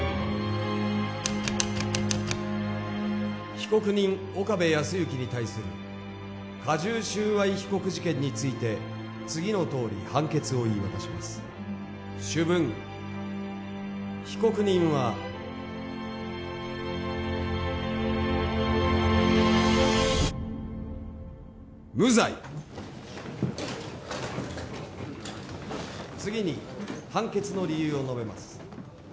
被告人岡部康行に対する加重収賄被告事件について次のとおり判決を言い渡します主文被告人は無罪次に判決の理由を述べます